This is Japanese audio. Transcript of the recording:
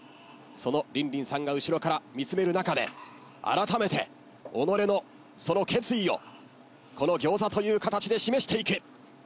そのリンリンさんが後ろから見つめる中であらためて己のその決意をこの餃子という形で示していく。